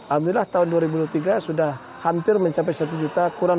alhamdulillah tahun dua ribu dua puluh tiga sudah hampir mencapai satu juta